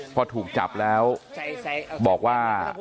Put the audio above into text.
พอถูกจับแล้วบอกว่า